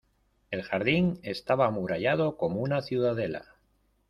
el jardín estaba amurallado como una ciudadela.